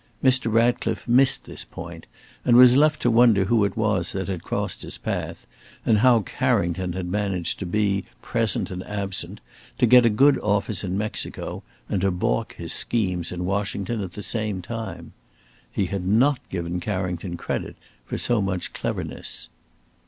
Mr. Ratcliffe missed this point, and was left to wonder who it was that had crossed his path, and how Carrington had managed to be present and absent, to get a good office in Mexico and to baulk his schemes in Washington, at the same time. He had not given Carrington credit for so much cleverness.